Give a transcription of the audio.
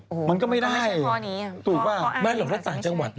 อืมมันก็ไม่ได้มันก็ไม่ใช่พอนี้ถูกป่ะมันหลังจากต่างจังหวัดนะ